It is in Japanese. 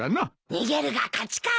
逃げるが勝ちか。